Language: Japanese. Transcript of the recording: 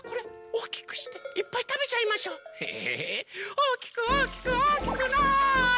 おおきくおおきくおおきくなあれ！